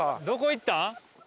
どこ行った？